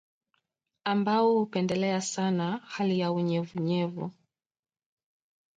ambao hupendelea sana hali ya unyevunyevu